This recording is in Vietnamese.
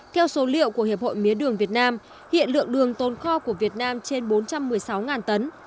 theo số liệu của hiệp hội mía đường việt nam hiện lượng đường tồn kho của việt nam trên bốn trăm một mươi sáu tấn